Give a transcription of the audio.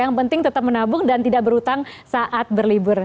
yang penting tetap menabung dan tidak berhutang saat berlibur